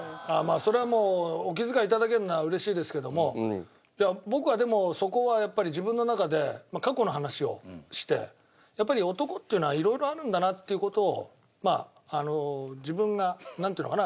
それはもうお気遣い頂けるのは嬉しいですけども僕はでもそこはやっぱり自分の中で過去の話をしてやっぱり男っていうのは色々あるんだなっていう事をまあ自分がなんていうのかな？